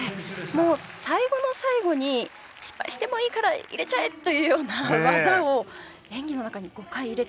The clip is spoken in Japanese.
もう最後の最後に失敗してもいいから入れちゃえ！というような技を演技の中に５回入れているんですよね。